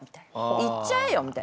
行っちゃえよみたいな。